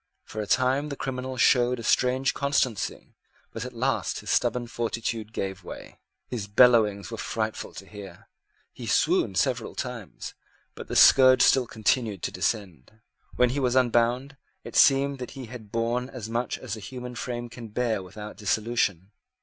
For a time the criminal showed a strange constancy: but at last his stubborn fortitude gave way. His bellowings were frightful to hear. He swooned several times; but the scourge still continued to descend. When he was unbound, it seemed that he had borne as much as the human frame can bear without dissolution.